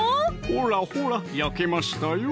ほらほら焼けましたよ